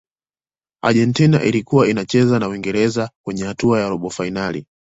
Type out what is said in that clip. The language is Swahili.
argentina ilikuwa inacheza na uingereza kwenye hatua ya robo fainali